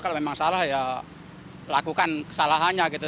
kalau memang salah ya lakukan kesalahannya gitu